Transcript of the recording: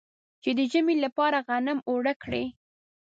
چې د ژمي لپاره غنم اوړه کړي.